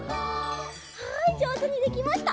はいじょうずにできました！